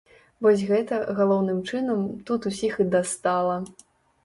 Вось гэта, галоўным чынам, тут усіх і дастала.